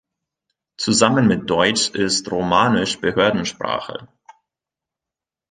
Zusammen mit Deutsch ist Romanisch Behördensprache.